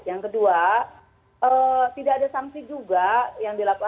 yang kedua tidak ada sanksi juga yang dilakukan